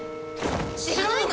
知らないの！？